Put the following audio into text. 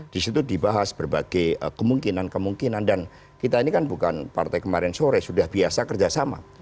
di situ dibahas berbagai kemungkinan kemungkinan dan kita ini kan bukan partai kemarin sore sudah biasa kerjasama